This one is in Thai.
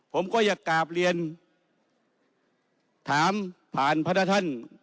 ผมก็อยากกลับเรียนถามผ่านพระท่าน